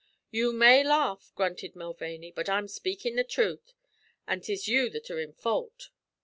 "Ye may laugh," grunted Mulvaney. "But I'm speakin' the trut', an' 'tis you that are in fault.